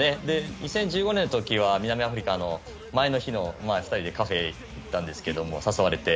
２０１５年の時は南アフリカの前の日に２人でカフェに行ったんですけど誘われて。